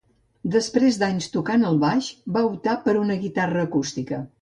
Després d'anys tocant el baix, va optar per una guitarra acústica.